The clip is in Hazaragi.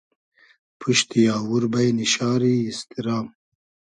پوشتی آوور بݷنی شاری ایستیرا